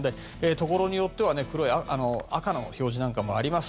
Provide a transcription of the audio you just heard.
ところによっては赤の表示なんかもあります。